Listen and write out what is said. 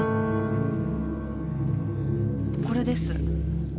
これです。